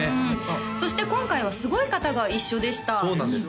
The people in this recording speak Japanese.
そして今回はすごい方が一緒でしたそうなんです